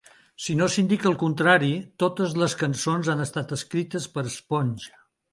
Si no s'indica el contrari, totes les cançons han estat escrites per Sponge.